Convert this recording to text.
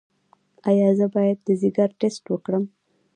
ایا زه باید د ځیګر ټسټ وکړم؟